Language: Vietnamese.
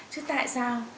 chứ tại sao